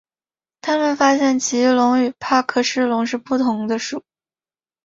他们发现奇异龙与帕克氏龙是不同的属。